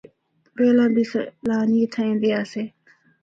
پہلا بھی سیلانی اِتھا ایندے آسے۔